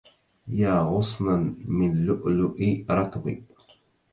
يا غصنا من لؤلؤ رطب